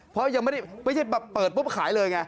เพราะยังไม่ได้ไม่ใช่แบบเปิดปุ๊บขายเลยไง